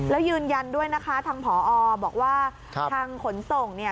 แล้วยืนยันด้วยนะคะทางผอบอกว่าทางขนส่งเนี่ย